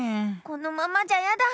このままじゃヤダ！